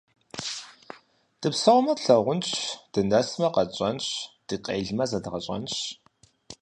Дыпсэумэ - тлъагъунщ, дынэсмэ – къэтщӏэнщ, дыкъелмэ – зэдгъэщӏэнщ.